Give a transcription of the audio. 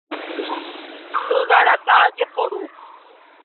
Ygarata jeporu.